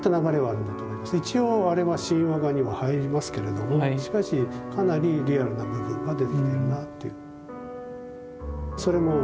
一応あれは神話画には入りますけれども少しかなりリアルな部分が出てきているなっていう。